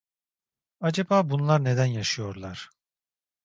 Acaba bunlar neden yaşıyorlar?